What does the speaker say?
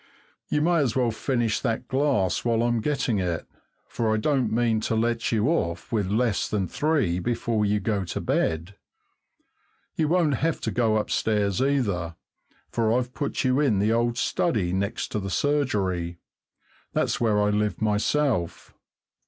You may as well finish that glass while I'm getting it, for I don't mean to let you off with less than three before you go to bed. You won't have to go upstairs, either, for I've put you in the old study next to the surgery that's where I live myself.